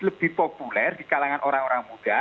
lebih populer di kalangan orang orang muda